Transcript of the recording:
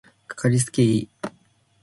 かかりつけ医